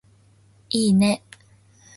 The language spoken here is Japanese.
いいね